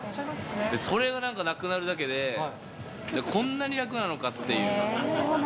それがなんかなくなるだけで、こんなに楽なのかっていう。